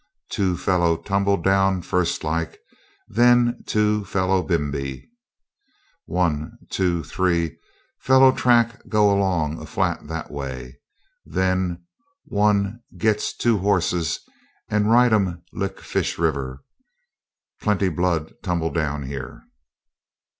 'Two fellow tumble down fust like; then two fellow bimeby. One two three fellow track go along a flat that way. Then that one get two horses and ridem likit Fish River. Penty blood tumble down here.'